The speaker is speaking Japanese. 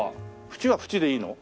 縁は縁でいいの？